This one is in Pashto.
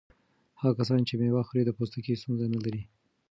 هغه کسان چې مېوه خوري د پوستکي ستونزې نه لري.